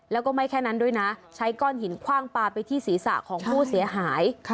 แล้วก็ไม่แค่นั้นด้วยนะใช้ก้อนหินคว่างปลาไปที่ศีรษะของผู้เสียหาย